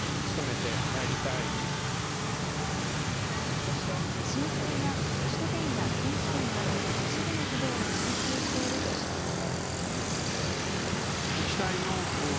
そして申請が首都圏や近畿圏など都市部の企業に集中しているとしたうえで。